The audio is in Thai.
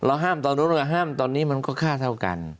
ห้ามตอนนู้นห้ามตอนนี้มันก็ค่าเท่ากัน